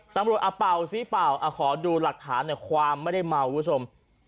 ตำรวจอ่ะเป่าซิเป่าอ่ะขอดูหลักฐานความไม่ได้เมาด์ว่าชม